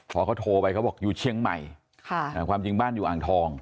พอเขาโทรไปเขาบอกอยู่เชียงใหม่ความจริงบ้านอยู่อ่างทอง